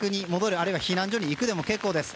あるいは避難所に行くでも結構です。